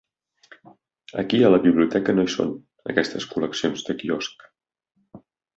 Aquí a la biblioteca no hi són, aquestes col·leccions de quiosc.